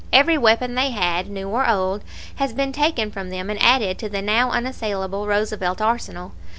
Every weapon they had, new or old, has been taken from them and added to the now unassailable Roosevelt arsenal.